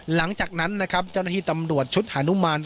หลังจากนั้นนะครับเจ้าหน้าที่ตำรวจชุดฮานุมาน